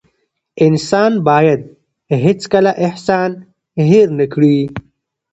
انسان بايد هيڅکله احسان هېر نه کړي .